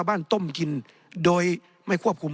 ในทางปฏิบัติมันไม่ได้